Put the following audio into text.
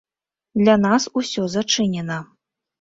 Для нас усё зачынена.